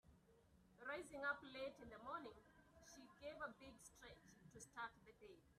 Rising up late in the morning she gave a big stretch to start the day.